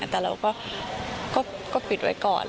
แต่เราก็ปิดไว้ก่อน